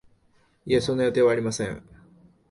いえ、そんな予定はありません